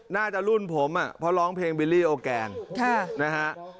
น่าจะรุ่นผมอ่ะเพราะร้องเพลงบิลลี่โอแกนนะฮะ